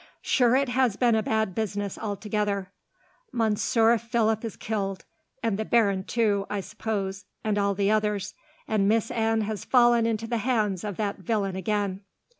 Sure it has been a bad business, altogether. Monsieur Philip is killed, and the baron, too, I suppose, and all the others, and Miss Anne has fallen into the hands of that villain again."